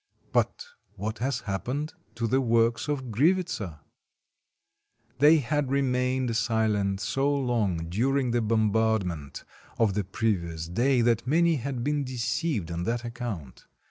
But what has happened to the works of Grivitsa? 220 THE CAPTURE OF A REDOUBT They had remained silent so long during the bombard ment of the previous day that many had been deceived on that account.